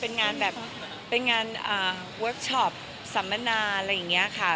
เป็นงานแบบเป็นงานเวิร์คชอปสัมมนาอะไรอย่างนี้ค่ะ